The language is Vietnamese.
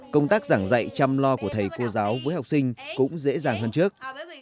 công tác giảng dạy chăm lo của thầy cô giáo với học sinh cũng dễ dàng hơn trước